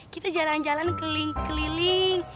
kita jalan jalan keliling keliling